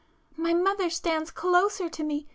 ... My mother stands closer to me